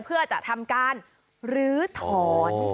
เพื่อจะทำการลื้อถอน